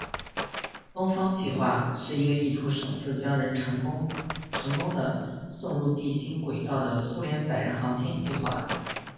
东方计划是一个意图首次将人成功地送入地心轨道的苏联载人航天计划。